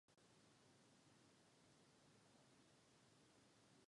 V polovině sedmdesátých let byl vězněn na Mírově za pašování ukrajinské opoziční literatury.